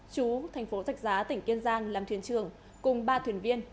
chú tp thạch giá tỉnh kiên giang làm thuyền trường cùng ba thuyền viên